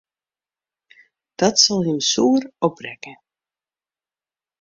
Dat sil jim soer opbrekke.